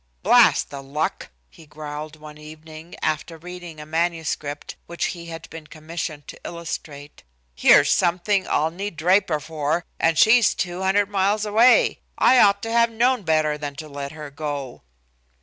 "Blast the luck," he growled one evening, after reading a manuscript which he had been commissioned to illustrate. "Here's something I'll need Draper for, and she's 200 miles away. I ought to have known better than to let her go."